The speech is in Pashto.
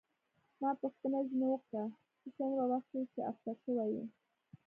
ما پوښتنه ځیني وکړه، ته څومره وخت کېږي چې افسر شوې یې؟